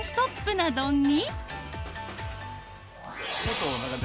な丼に。